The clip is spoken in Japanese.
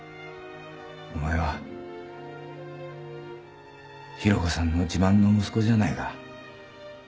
お前は広子さんの自慢の息子じゃないか。